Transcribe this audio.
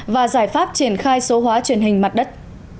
và giải pháp triển khai cây dược liệu quý hiếm này